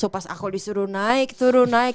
pas aku disuruh naik turun naik